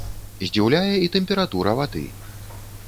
Здзіўляе і тэмпература вады.